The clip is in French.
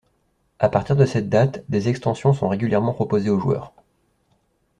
A partir de cette date, des extensions sont régulièrement proposées aux joueurs.